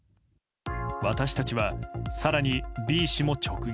私たちは更にＢ氏も直撃。